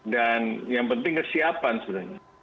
dan yang penting kesiapan sebenarnya